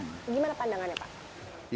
gimana pandangannya pak